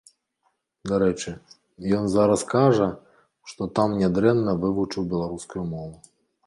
Дарэчы, ён зараз кажа, што там нядрэнна вывучыў беларускую мову.